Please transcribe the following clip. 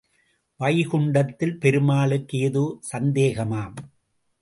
வைகுண்டத்தில் பெருமாளுக்கு ஏதோ சந்தேகமாம்.